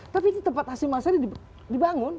tapi itu tempat asli masyarakat dibangun